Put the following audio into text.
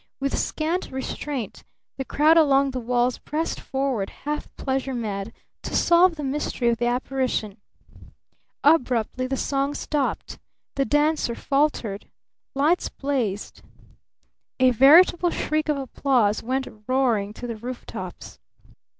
With scant restraint the crowd along the walls pressed forward, half pleasure mad, to solve the mystery of the apparition. Abruptly the song stopped! The dancer faltered! Lights blazed! A veritable shriek of applause went roaring to the roof tops!